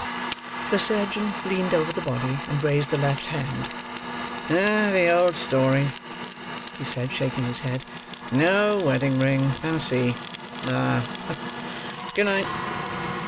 The surgeon leaned over the body, and raised the left hand. "The old story," he said, shaking his head: "no wedding ring, I see. Ah! Good night!"